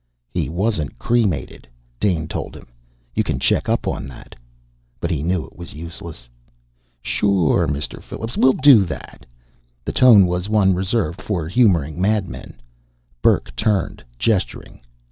"He wasn't cremated," Dane told him. "You can check up on that." But he knew it was useless. "Sure, Mr. Phillips. We'll do that." The tone was one reserved for humoring madmen. Burke turned, gesturing.